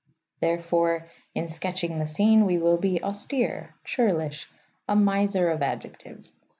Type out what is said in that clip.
Therefore, in sketching the scene, we will be austere, churlish, a miser of adjectives.